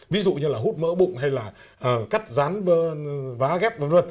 ví dụ như là hút mỡ bụng hay là cắt rán vá ghép v v